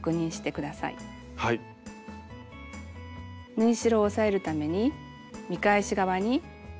縫い代を押さえるために見返し側にステッチをかけます。